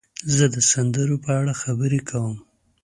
زه د سندرو په اړه خبرې کوم.